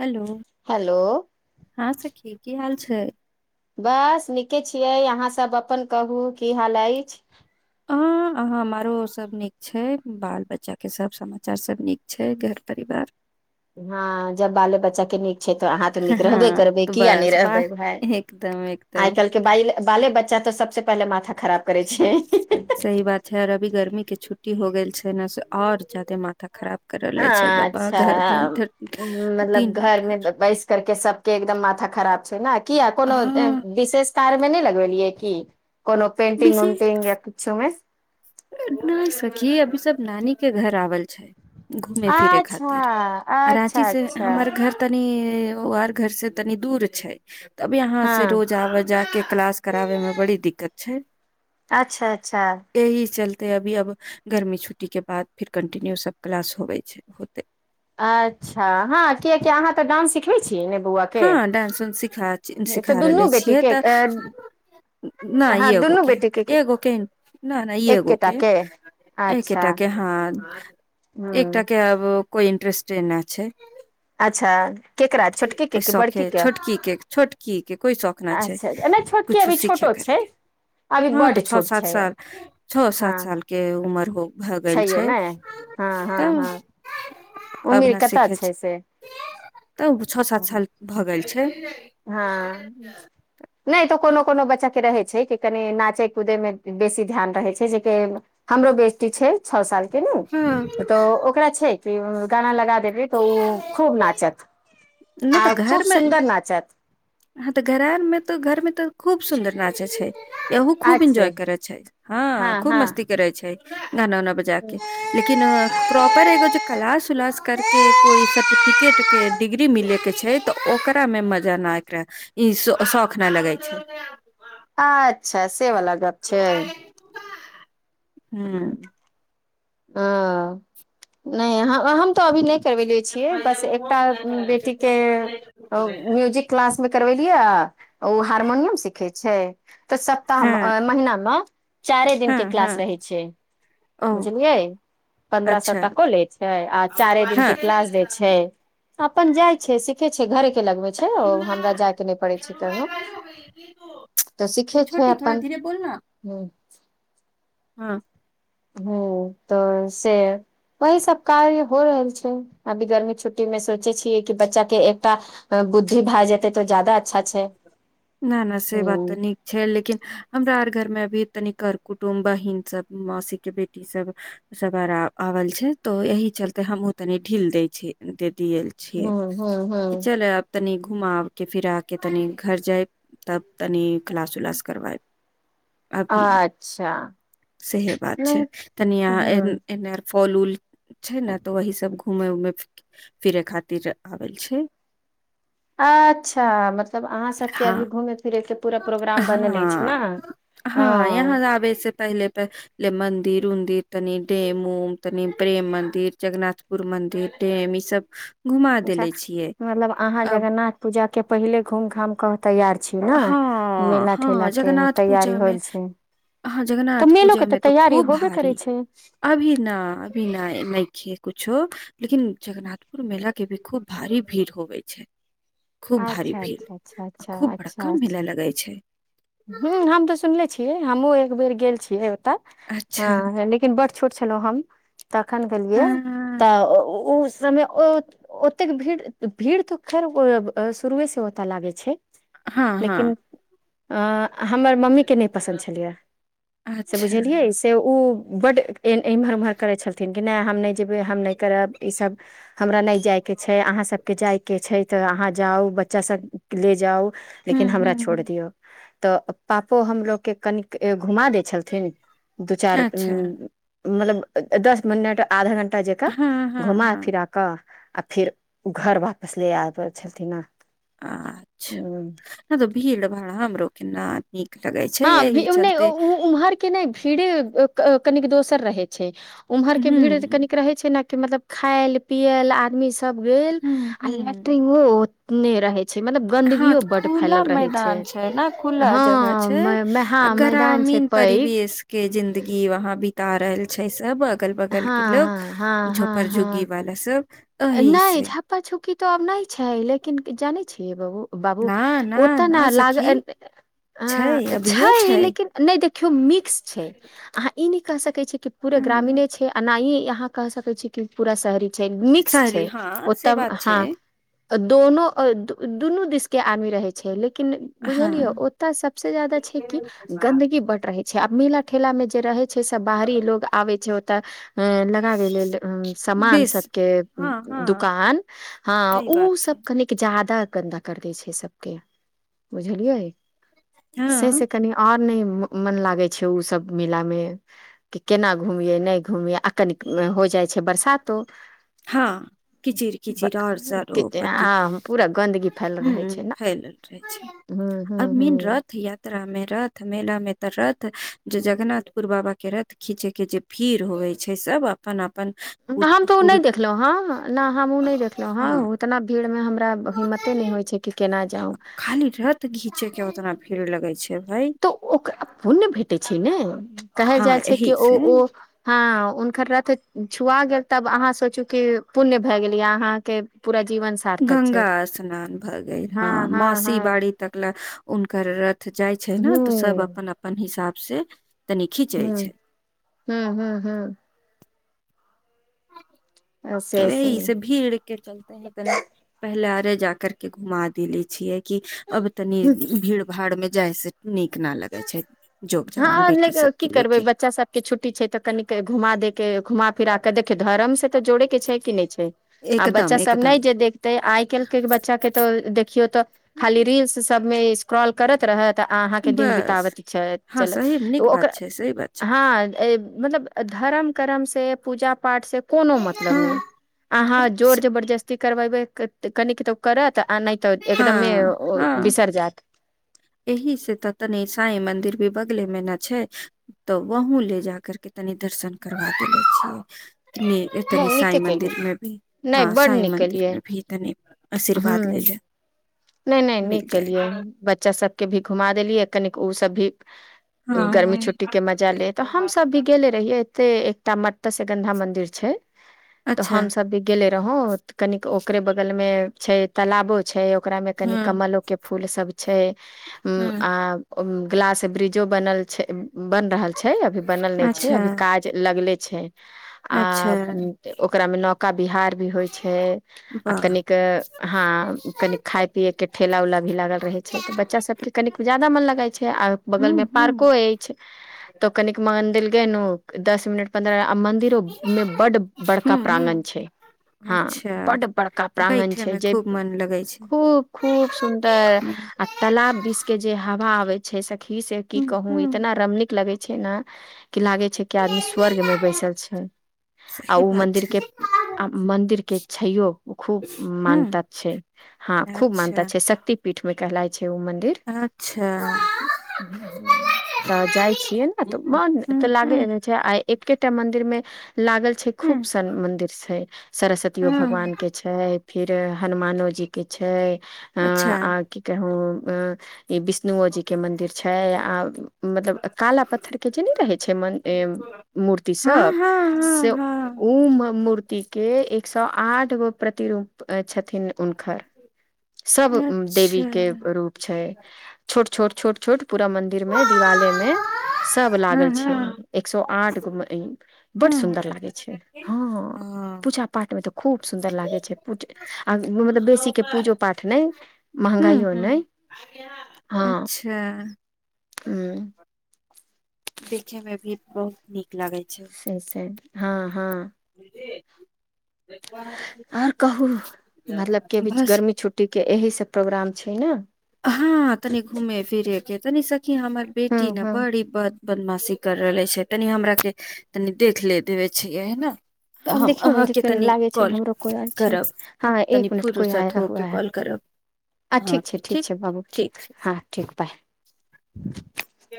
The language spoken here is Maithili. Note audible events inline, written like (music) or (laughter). हेलो हेलो हँ सखी की हाल छै छै बस नीके छियै अहाँसभ अपन कहू की हाल अछि अह अहाँ हमारो सभ नीक छै बाल बच्चाके सब समाचार सब नीक छै घर परिवार हँ जब बाले बच्चा के नीक त अहाँ तऽ नीक रहबे हँ करबै तऽ किया नहि बस रहबै वाह भाय एकदम आइ एकदम काल्हि के बाले बच्चा अचा स सबसँ पहे माथा खराब करै छै सही बात है आऔर अभी गर्मी के छुटटी कुट् हो गेल छै ने से और ज्यादे माथा खराब कर रहले ह छै बाबा घर भर अच्छा धर- मतलब दिन घरमे भर बैस करके सबके एकदम माथा खराब छै ने किया कोनो हँ विशेष कार मे नहि लगबेलियै की कोनो पेन्टिंग विशेष उन्टिंग या किछुमे नहि सखी अभी सब नानी के घर आवल छै घुमे फिरे अच्छा अच्छा खातिराँची से अच्छा हमर घर तनी ओ हर घर से तनी दूर छै तब यहााँ से हँ रोज आबे जा के क्लास कराबे में बड़ी दिक्कत छै अच्छा अच्छा एहि चलते अभी अब गर्मी छुट्टी के बाद फिर कंटिन्यू सब क्लास होबे छै होते अच्छा हँ कियकि अहाँ तऽ डान्स सिखबै छी हँ डानंस उंस तऽ सिखा दुनू रहले छियै बेटीके तऽ नहि हँ एगो दुनू के बेटीके एगो केगो के एके अच्छा के हँ एक ह के आब कोइ ट्रस्ट एना छै अच्छा केकरा छोटके के कि शौख बड़की ह के छोटकी के छोटकी के कोइ शौख न छै अच्छा नहि छोटकी कुछो अभी सीखे छोटो छै करके अभी हँ तऽ बड्ड छओ छोट सात छै साल छओ सात साल के उमर हो भए गेल छैे छै ने हँ हँ तऽ हँ अब उमिर न कतय छै से पछल भऽ गेल छै हँ नहि तऽ कोनो कोनो बच्चा के रहे छै कि कनि नाचे कूदे मे बेसी ध्यान रहे छै जेक हमरो बेसटी छै छओ साल के ने नहि तऽ ओकरा छै गाना लगा देब तऽ खूब नचत आ खूब सुन्दर नाचत ह तऽ घर आ मे तऽ घर में तऽ खूब सुन्दर नाचे छै यहू खूब अच्छे एन्जॉय करै छै हँ खूब मस्ती करै छै ह गाना उाना बजा के लेकिन प्रॉपर एगो जे क्लास उलास कर के कोई सर्टिफिकेट के डिग्री मिले के छै त ओकर मे मजा न ई शौख नहि लगै छै अच्छा से वला गप छै ह ओ नहि हम तऽ अभी ल करबेले छियै बस एकटा बेटी के म्यूजिक क्लास मे करवेलियै ओ हारमोनियम सिखे छै तऽ हँ सप्ताहमे महिनामे चारे दिन हँ के हँ क्ास रहै छै ओ बुझलिय पन्द्रह सए अच्छा टको लै छै आ चारे दिनक के हँ क्लास दै छै अपन जाइ छै सिखे छै घरे लगबै छै ओ हमरा जायके नहि पड़ै छै कहनो तऽ ए सिखे छै छोटी थोड़ा अपन धीरे बोल न ह हँ ह तऽ से वही सब कार्य हो रहल छै अभी गर्मी छुट्टी मे सोचै छियै कि बच्चाे एकटा बुद्धि भए जेतै तऽ जदाा अच्छा छै नहि नहि से हूं बात तऽ नीक छै लेकिन हमरा आर घरमे भी तनी कर कुटुं् बहिन सब मौसी के बेटी सब सब आर आवल छै तो यह चलते हमहु तनी ढील देय छी द छिय हूं हूं कि हूं चल आब तनि घुमा के फिरा के तनि घर जायब तब तनी ास उलास कर अभी ने अच्छा सेहे बात छै नहि तऽ हूं तन फल उऊल छै ने तऽ वही सब घूमे उमे फिरे खातिर आबल छै अच्छा मतलब अहाँ सबके हँ अभी घूमे फिरे के पूरा प्रोग्राम बनल अछि ने हँ हँ यहाँ आबे से पहिले प लेमन। मन्दिर उन्दिर तनी डेम ओम तनी प्रेम मन्दिर जगनाथपुर मंन्दिर डेम ई सब। घुमा अच्छा देले छियै मतलब अहाँ अब जगन्नाथ पूजा के पहिले घूम घाम कर। हँ हँ के जगन्नाथ तैयारी पूजा मे होल छै ह तऽ जगन्नाथ मेलो के पूजा तऽ में तो तैयारी खूब होबे भारी करै छै अभी न अभी नहि नहि खेत किछु। लेकिन जगनाथपुर मेला के भी खूब भारी भीड़ होे छै अच्छा अच्छा अच्छा अच्छा अचछा कम भेलै लगै छै हमहुँ एक बेेर गेल छियै अच्छा हँ लेकिन ब छोट छल हम। तखन गेलियै हँ तऽ ओ समय ओतेक भीड़ भीड़ तऽ खैर शुरुए से ओतऽ लागै छै। हँ हँ। आ हमर मम्मीके नहि पसन्द छलियै से अच्छा बुझलियै से ओ। बड्ड एम्हर ओम्हर करै छलथिन कि नहि हम नहि जेबै हम नहि करब ईसभ हमरा नहि जाइ के छै अहाँ सबके जाय के छै। तऽ अहाँ जाउ बच्चा सब ले जाउ हुँ, लेकिन हमरा छोड़ हुँ, दियौ। तऽ पापो हमलोगके कनिक घुमा दै छलथिन। दू चार उ अच्छा, मतलब दस मिनट आधा घं्टा। सभटा ज हँ, कऽ हँ, घुमा हँ, फिरा कऽ आओर फेर ओ घर वापस ले आबै छथििन हँ। अच्छा नहि तऽ भीड़ भाड़ा हमरो केनाी। क हँी नहि उम्हरके नहि भीड़े कनिक दोसर रहै छै। उम्हर हुँ, के भीड़ कनिक रहै छै ने के मतलब खायल पियल आदमी सब। सब गेल हुँ, आ हुँ, लैट्रंग। ने रही। मतलब हँ, गन्दगियो तऽ बड खुला फैलल रहै छै हँ। अ हँ मैदान छै गरामीन पैघ परिवेशके जिंन्दगी वहाँ बीता रहल। छै सब। अगल बगल हँ के लोग हँ हँ झोपड़ हँ झुग्गी हँ वाला सब। एहि नहि से झ्पा छुप। की तो आब नहि छै लेकिन जानै छियै बहु। बाबू ना, ना, ओत ना ने लाग सखी छै अभियो छै लेकिन नहि देखियौ मिक्स छै अह। ई न क सकैत छी। पूे हुँ, ग्रामीणे छै एना ई। यहाँ क सकै छी कि पूरा शहरी छै। सारी छै हँ, ओत से बात ह छै, दोनों दो। दुनू देश के आदमी रहै छै लेकिन। हँ। बुझलियै ओतय सबस जादा छै कि गंन्दगी बड रहे। आ मेला ठेला मे जे रहै छै। छे सब बाहरी लोग आवि छे। त। अ लगाबे लेल समान बेस सबके। हँ हँ दुकान हँ सही बात ओ छै सब कनेिक जा। आदा गन्दा कर दै छै सबके बुझलियै। से हँ से कनि आओर नहि। मन लागै छै ओ सब मिलामे कि केना घूमिये नहि घूमिये आ कन हो जाइ छै बरसातो। हँ कचिड़ ब- कचिड़ आओर सर कि- ओ पट्टी आ पूरा गन्दगी फैल ह रहै छै ने फैलल रहै छै हूँ आ हूँ मेन हूँ रथ यात्रा मे। रथ मेला मे ते रथ जे जगनाथ पुर बाबा के रथ खींचे के जे भीड़ होवे छै सब अपन अपन। अपन ह हु। ह नहि हम उ नहि देखलहुं हँ उतना भीड़ मे हमरा। हिम्मते नहि होइ छै कि केना। जाउ खाली रथ घीचे क ओतना। फीड़ लगै छै। भाय तऽ ओकरा पुण्य भेटैत छै ने कहल जाइ हँ छै कि एहि ओ से ओ हँ हुनकर रति। ठुआ गेल तब अहाँ सोचू क पुण्य भए गेल या अहाँके पूरा जीवन सार्थक गङ्गा छै स्नान भऽ गेल हँ मौासी बारी तक लए हुनकर रत। त जाय छै ने तो सब अपन अपन हिसाब। से तनि खीचै हू छै हू हू ह। हूँ से तऽ से यहे भीड़ के चलते है तनी पहले आ े जा कर के घुमा देले छियै। क अब तनी भीड़ भाड़ मे जयस हँ बेटी ल की सबके ले करबै के बच्चा सबके छुट्टी छै तऽ कन घुमा दे के घुमा। फिरके देखियौ धर्म से तऽ जोड़े के छै कि नहि छै। आ एकदम बच्चा सब नहि एकदम जे देखते आइ क् के बच्चा के त देखियौ तऽ खाली रिल। सब स्क्रॉल कर रहत। दिन बता बस हँ चल सही ओ नीक ओक बात छै सही बात छै हँ मतलब धर्म करर्म से पूजा को मतलब हँ नहि अह जोर जरस्ती। करबेबैऽ कनि क तो करत। तऽ नहि तऽ एकदम हँ हँ बिसरि जायत। एहि से तऽ तनी साई मंदिर भी बगले मे ने छै तऽ वहं ले जा करके तनी दर्शन करबा देले छियै। नहि तनी साई नीके केलु मन्दिर मे भी नहि हँ बड साई नीक मन्दिर केलियै मे भी तनी हूँ आशीर्वाद ले ले नहि नहि मिल नीक जाय केलियै बच्चा सब के भी घुमा देलियै कनिक ओ सब भी गर्मी हँ छुट्टी के मजा ले तऽ हमस भी गेले रहियै एते एकटा म। ओतऽसँगन्धा मंदिर छै तऽ अच्छा हमस भी गेले रहौ। कन ओकरे बगल में छै तालाबो छै। ओकरा में कनी हँ कमलो के फूल सब। छै हँ आ ग्लास ब्रिजो बनल छै बन रहल छै अभी बनल नहि छै अच्छा अभी काज लगले छै आ अच्छा ओ ओकरा मे नौकाी बिहार भी होइ छै आ वाह कनिक हँ कनी खाय पिये के ठेला उला भी लागल रहे छै तऽ बच्चा सब के कनिक जा्यदा मन लगे छै आ बगल में हूँ हूँ पार्को अछि तऽ कनिक मदिर गन दस मिनट पन्द्रह आ मंदिरो मे बड बड़का हूँ प्रांगण हूँ छै हँ अच्छा बड बड़का प्रांगण बैठे छै मे जे खूब मन लगै छै खूब खूब सुन्दर आ तालाब दिष के जे हवा आबै छै छै सक खी से की कहू हूँ इतना रमनीक लगे छै छै ने की लागे छै कि आदमी स्वर्ग में बैसल छै आ सही ओ बात मंदिर के छै मंदिर के छैयो ओ खूब हूँ मान्यता छै हँ खूब मानता अच्छा छै शक्ति पीठमे कह मन्दिर अच्छा तऽ जाइ छियै ने तऽ मन त हूँ लाग हूँ छै आ एकेटा मन्दिर मे लागल छै हूँ खूब सन मदिर छै सरस्वतियो हँ भगवान के छै फिर हनुमानोजी कि छै अ अच्छा आ की कहू ह ई विष्णुओ जी के मंदिर छै आद मतलब काला पत्थरके जे नहि रहै छै म हँ मूर्तिसभ हँ हँ से ओ हँ मूर्तिके एक सए आठ गो प्रतिरूप (unintelligible) छथिथिन हुनकर सब देवी अच्छा के रूप छै छोट छोट छोट छोट पूरा मंन्दिर मे दिवालय मे सब हँ लागल छै हँ एक सए आठ गो बड हूँ सुन्दर लागै छै हँ हँ पूजा पाठमे तऽ खूब सुन्दर लागै छै पू आ मतलब बेसीके हूँ हूँ अच्छा म देखे में भी बहुत नीक लागै छै से छै हँ हँ ह आर कहू मतलब केी बस गर्मी छुट्टी के एहि प्रोग्राम छै ने हँ तनि घूमे फिरे के तनी सखी हमर बेटी हँ ने हँ बड़ी ब बदमाशी कर रहले छै तनि हमरा के तनि देख ले देबे छियै हे ने हँ देखियौ ने देखियौ ने लागे छै हमरो कोइ आर छै करब हँ तनी एक मिनट कोई फुर्सत आया हुआ होके है कॉल करब आ ठीक छै ठीक छै बाबू ठीक हँ ठीक पाय (unintelligible) क